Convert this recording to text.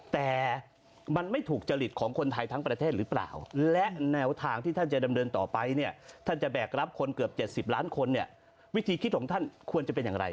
แต่มันไม่ถูกจริตของคนไทยทั้งประเทศหรือเปล่าและแนวทางที่ท่านจะดำเนินต่อไปเนี่ยท่านจะแบกรับคนเกือบ๗๐ล้านคนเนี่ยวิธีคิดของท่านควรจะเป็นอย่างไร